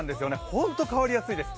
ほんと変わりやすいです。